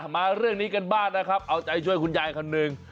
มาเรื่องนี้กันบ้างนะครับเอาใจช่วยคุณยายคนหนึ่ง